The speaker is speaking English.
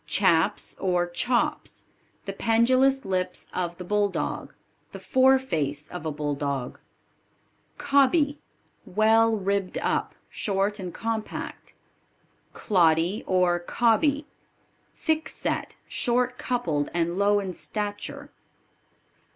Chaps or Chops. The pendulous lips of the Bulldog; the foreface of a Bulldog. Cobby. Well ribbed up; short and compact. Cloddy or Cobby. Thick set, short coupled and low in stature.